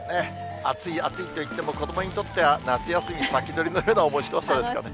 暑い暑いといっても、子どもにとっては夏休み先取りのようなおもしろさですかね。